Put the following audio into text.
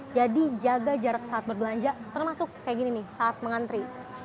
jadi jaga jarak saat berbelanja termasuk kayak gini nih saat mengantri